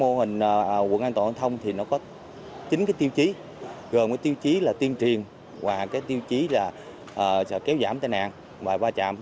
mô hình quận an toàn giao thông có chín tiêu chí gồm tiêu chí tiên triền tiêu chí kéo giảm tai nạn và ba chạm